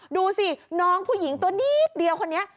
ดูสิน้องผู้หญิงตัวนิดเดียวคนนี้